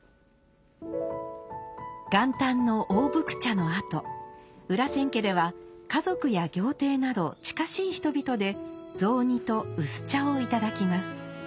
元旦の大福茶のあと裏千家では家族や業躰など近しい人々で雑煮と薄茶をいただきます。